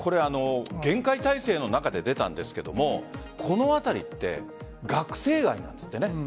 厳戒態勢の中で出たんですがこの辺りって学生街なんですってね。